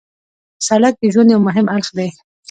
سړک د ژوند یو مهم اړخ دی.